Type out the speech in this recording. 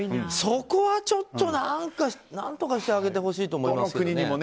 そこはちょっと何とかしてあげてほしいと思いますけどね。